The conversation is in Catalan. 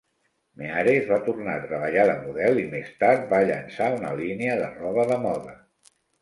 Meares va tornar a treballar de model i, més tard, va llançar una línia de roba de moda.